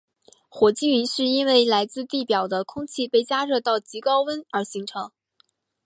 火积云是因为来自地表的空气被加热到极高温而形成。